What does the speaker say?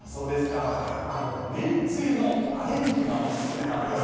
麺つゆのアレンジがおすすめです。